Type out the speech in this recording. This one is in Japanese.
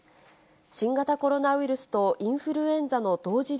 新型コロナウイルスとインフルエンザの同時